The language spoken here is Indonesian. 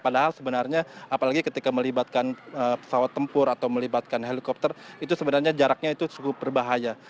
padahal sebenarnya apalagi ketika melibatkan pesawat tempur atau melibatkan helikopter itu sebenarnya jaraknya itu cukup berbahaya